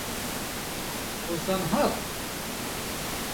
Hozan hat?